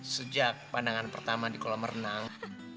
sejak pandangan pertama di kolam renang